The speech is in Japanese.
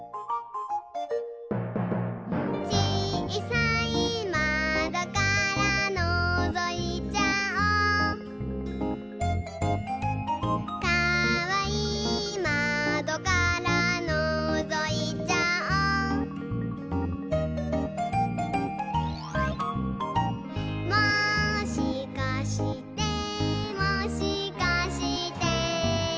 「ちいさいまどからのぞいちゃおう」「かわいいまどからのぞいちゃおう」「もしかしてもしかして」